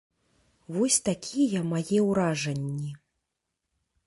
Вось такія мае ўражанні.